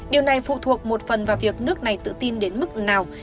điều này phụ thuộc một phần vào việc nước này tự tin đến mức nào